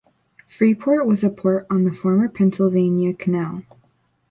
Freeport was a port on the former Pennsylvania Canal.